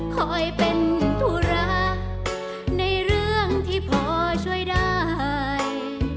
คอยเป็นธุระในเรื่องที่พอช่วยได้